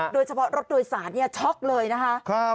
โดยเฉพาะรถโดยสารเนี่ยช็อคเลยนะฮะ